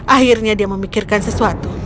akhirnya dia memikirkan sesuatu